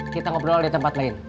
kita ngobrol di tempat lain